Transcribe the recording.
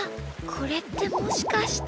これってもしかして。